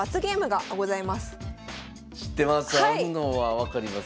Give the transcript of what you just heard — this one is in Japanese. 知ってます。